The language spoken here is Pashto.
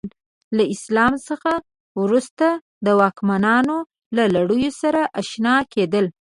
له اسلام څخه وروسته د واکمنانو له لړیو سره اشنا کېدل.